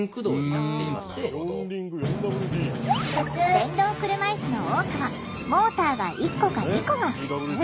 電動車いすの多くはモーターが１個か２個がふつう。